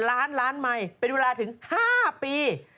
ล้านล้านไมค์เป็นเวลาถึง๕ปี